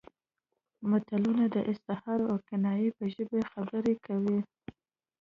متلونه د استعارې او کنایې په ژبه خبرې کوي